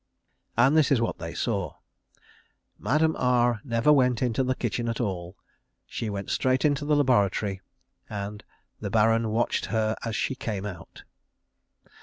And this was what they saw: _"Madame R never went into the kitchen at all;" "she went straight into the laboratory," and "the Baron watched her as she came out."